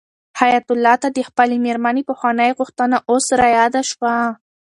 حیات الله ته د خپلې مېرمنې پخوانۍ غوښتنه اوس رایاده شوه.